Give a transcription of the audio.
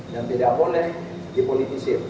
dan tidak boleh dipolitisir